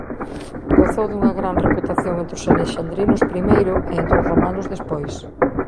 Gozou dunha gran reputación entre os alexandrinos primeiro e entre os romanos despois.